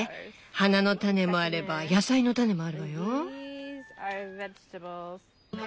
花の種もあれば野菜の種もあるわよ。